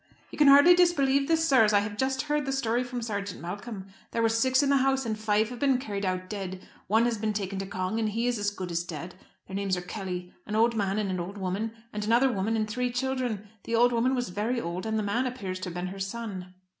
"You can hardly disbelieve this, sir, as I have just heard the story from Sergeant Malcolm. There were six in the house, and five have been carried out dead. One has been taken to Cong, and he is as good as dead. Their names are Kelly. An old man and an old woman, and another woman and three children. The old woman was very old, and the man appears to have been her son."